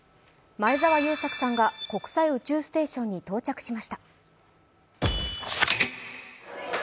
前澤友作さんが国際宇宙ステーションに到着しました。